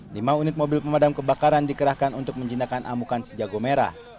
lima unit mobil pemadam kebakaran dikerahkan untuk menjindakan amukan sejago merah